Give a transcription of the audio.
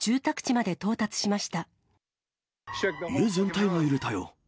家全体が揺れたよ。